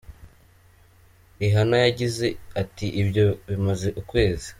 Rihanna yagize ati, Ibyo bimaze ukwezi,.